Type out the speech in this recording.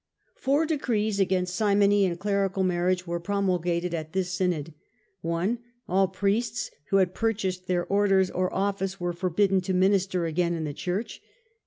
. Four decrees against simony and clerical marriage were promulgated at this synod: (i.) all priests who had purchased their orders or oflSce were forbidden to minister again in the Church; (ii.)